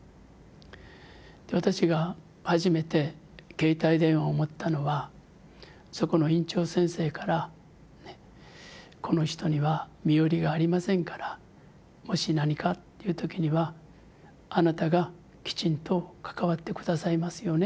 私が初めて携帯電話を持ったのはそこの院長先生から「この人には身寄りがありませんからもし何かっていう時にはあなたがきちんと関わって下さいますよね」